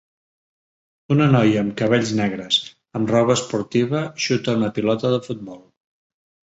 Una noia amb cabells negres amb roba esportiva xuta una pilota de futbol.